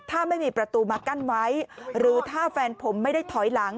ถ้าไม่มีประตูมากั้นไว้หรือถ้าแฟนผมไม่ได้ถอยหลัง